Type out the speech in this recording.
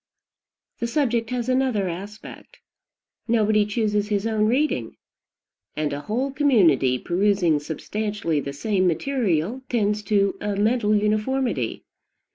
The subject has another aspect. Nobody chooses his own reading; and a whole community perusing substantially the same material tends to a mental uniformity.